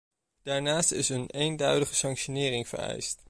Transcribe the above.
Daarnaast is een eenduidige sanctionering vereist.